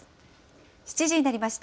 ７時になりました。